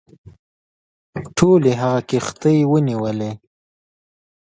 ټولي هغه کښتۍ ونیولې.